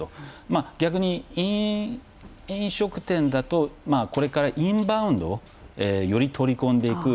まあ逆に飲食店だとこれからインバウンドより取り込んでいく。